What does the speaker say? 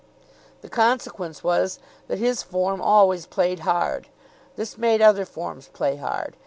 The consequence was that his form always played hard. This made other forms play hard.